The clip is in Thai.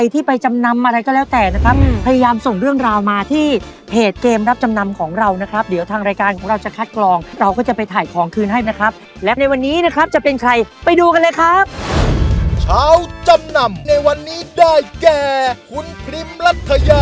ทั้งหมดเป็น๒๕๒๐๐บาท